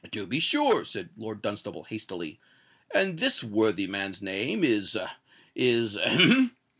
"To be sure," said Lord Dunstable, hastily; "and this worthy man's name is—is—ahem?"